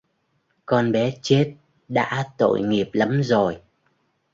con bé chết đã tội nghiệp lắm rồi